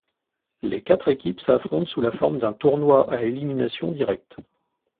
Les quatre équipes s'affrontent sous la forme d'un tournoi à élimination directe.